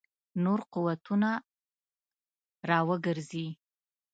نور قوتونه را وګرځوي.